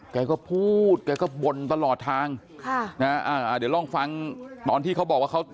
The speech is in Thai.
แกก็พูดแกก็บนตลอดทางเดี๋ยวลองฟังตอนที่เขาบอกว่าเขา